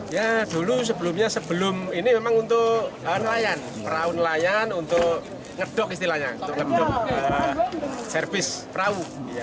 ya dulu sebelumnya sebelum ini memang untuk nelayan perahu nelayan untuk ngedok istilahnya untuk servis perahu